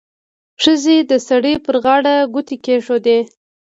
ښځې د سړي پر غاړه ګوتې کېښودې.